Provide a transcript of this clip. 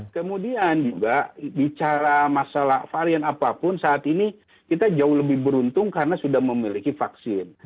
kemudian juga bicara masalah varian apapun saat ini kita jauh lebih beruntung karena sudah memiliki vaksin